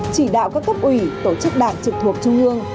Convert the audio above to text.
chỉ đạo các cấp ủy tổ chức đảng trực thuộc trung ương